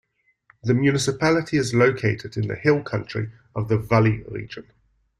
The municipality is located in the hill country of the Vully region.